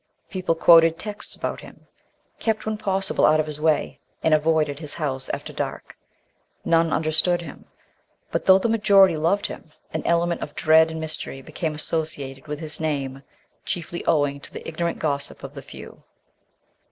People quoted texts about him; kept when possible out of his way, and avoided his house after dark. None understood him, but though the majority loved him, an element of dread and mystery became associated with his name, chiefly owing to the ignorant gossip of the few.